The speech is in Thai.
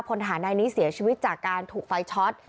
พลฐานนายนี้เสียชีวิตจากการถูกไฟช็อต